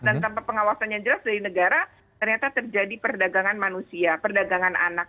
dan tanpa pengawasan yang jelas dari negara ternyata terjadi perdagangan manusia perdagangan anak